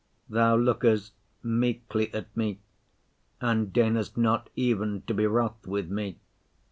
Thou lookest meekly at me and deignest not even to be wroth with me.